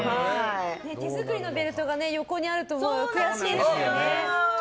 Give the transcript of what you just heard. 手作りのベルトが横にあると思うと悔しいですよね。